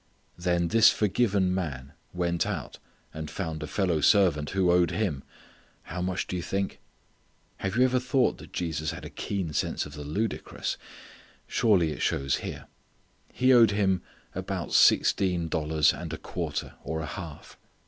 Then this forgiven man went out and found a fellow servant who owed him how much do you think? Have you ever thought that Jesus had a keen sense of the ludicrous? Surely it shows here. He owed him about sixteen dollars and a quarter or a half!